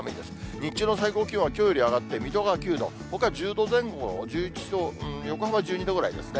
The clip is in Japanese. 日中の最高気温はきょうより上がって、水戸が９度、ほか１０度前後、１１度、横浜１２度ぐらいですね。